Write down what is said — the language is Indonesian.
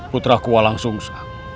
putra ku walang sungsa